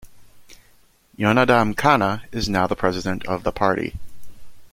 Yonadam Kanna is now the president of the party.